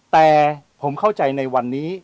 แต่ผมเข้าใจในวันนี้